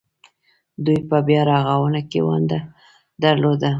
دوی په بیارغونه کې ونډه درلوده.